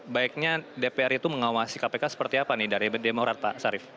baiknya dpr itu mengawasi kpk seperti apa nih dari demokrat pak sarif